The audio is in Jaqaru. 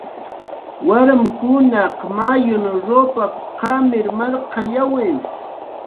warmkunaq mayun rup qamir marqayawi